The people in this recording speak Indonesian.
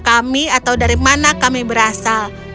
kami atau dari mana kami berasal